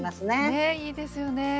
ねえいいですよね。